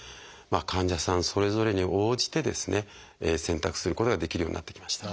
患者さんそれぞれに応じてですね選択することができるようになってきました。